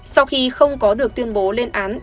sau khi không có được tuyên bố lên án